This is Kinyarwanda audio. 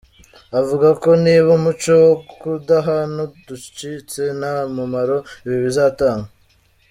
Avuga ko niba umuco wo kudahana udacitse, nta mumaro ibi bizatanga.